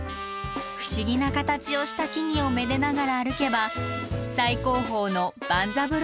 不思議な形をした木々をめでながら歩けば最高峰の万三郎岳です。